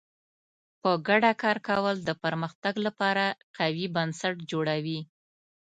په ګډه کار کول د پرمختګ لپاره قوي بنسټ جوړوي.